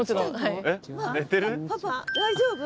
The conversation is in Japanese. パパ大丈夫？